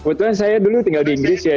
kebetulan saya dulu tinggal di inggris ya